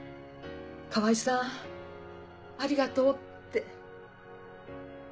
「川合さんありがとう」って。